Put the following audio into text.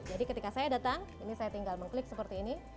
jadi ketika saya datang ini saya tinggal mengklik seperti ini